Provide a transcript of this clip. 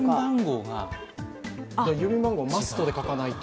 郵便番号をマストで書かないと。